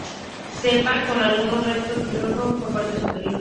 Cepa con algunos restos fibrosos en la parte superior.